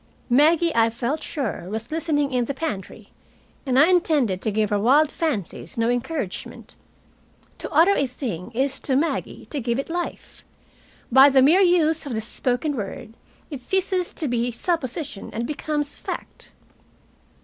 Maggie, I felt sure, was listening in the pantry, and I intended to give her wild fancies no encouragement. To utter a thing is, to Maggie, to give it life. By the mere use of the spoken word it ceases to be supposition and becomes fact.